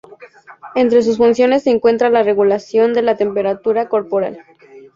Entre sus funciones se encuentra la regulación de la temperatura corporal.